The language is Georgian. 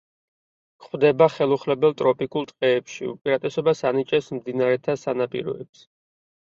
გვხვდება ხელუხლებელ ტროპიკულ ტყეებში, უპირატესობას ანიჭებს მდინარეთა სანაპიროებს.